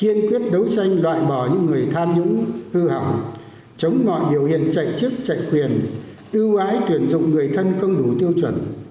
kiên quyết đấu tranh loại bỏ những người tham nhũng hư hỏng chống mọi biểu hiện chạy chức chạy quyền ưu ái tuyển dụng người thân không đủ tiêu chuẩn